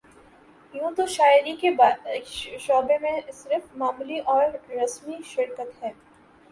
یوں تو شاعری کے شعبے میں صرف معمولی اور رسمی شرکت ہے